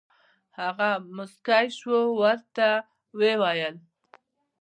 هغه موسکی شو او ورته یې وویل: